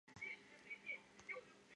他也被选为法兰西学会的院士。